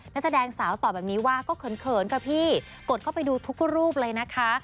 นักแสดงสาวตอบแบบนี้ว่าก็เขินค่ะพี่กดเข้าไปดูทุกรูปเลยนะคะ